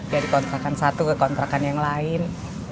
dari kontrakan satu ke kontrakan yang lain